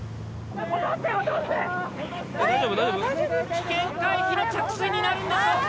・危険回避の着水になるんでしょうか。